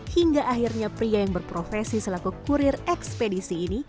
hingga akhirnya pria yang berprofesi selaku kurir ekspedisi ini